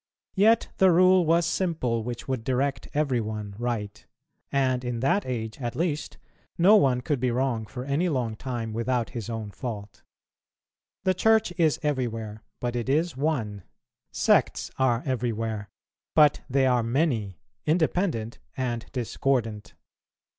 Yet the rule was simple, which would direct every one right; and in that age, at least, no one could be wrong for any long time without his own fault. The Church is everywhere, but it is one; sects are everywhere, but they are many, independent and discordant.